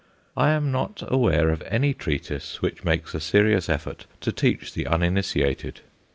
I am not aware of any treatise which makes a serious effort to teach the uninitiated.